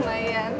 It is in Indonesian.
kita akan menunggu